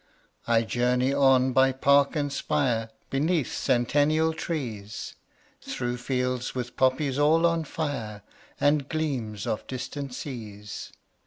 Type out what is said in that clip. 20 I journey on by park and spire, Beneath centennial trees, Through fields with poppies all on fire, And gleams of distant seas.